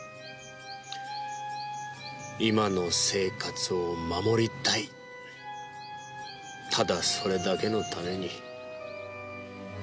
今の生活を守りたいただそれだけのために。